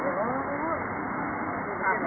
ขอบคุณที่ทำดีดีกับแม่ของฉันหน่อยครับ